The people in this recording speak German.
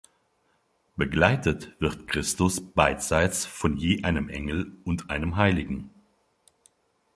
Begleitet wird Christus beidseits von je einem Engel und einem Heiligen.